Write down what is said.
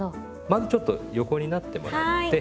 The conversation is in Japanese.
まずちょっと横になってもらって。